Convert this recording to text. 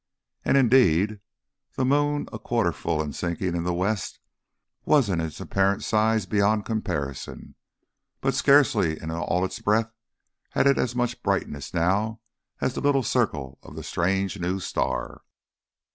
And, indeed the moon a quarter full and sinking in the west was in its apparent size beyond comparison, but scarcely in all its breadth had it as much brightness now as the little circle of the strange new star.